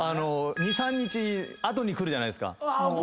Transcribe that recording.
２３日後にくるじゃないですか。